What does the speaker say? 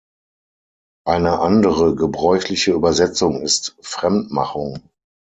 Eine andere gebräuchliche Übersetzung ist „Fremd-Machung“.